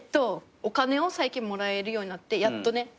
お金を最近もらえるようになってやっとね